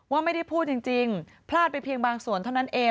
ว่าไม่ได้พูดจริงพลาดไปเพียงบางส่วนเท่านั้นเอง